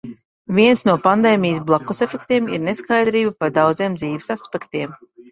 Viens no pandēmijas "blakusefektiem" ir neskaidrība par daudziem dzīves aspektiem.